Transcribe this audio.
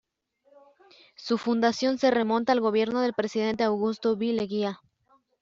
Su fundación se remonta al gobierno del presidente Augusto B. Leguía.